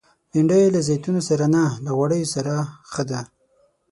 بېنډۍ له زیتونو سره نه، له غوړیو سره ښه ده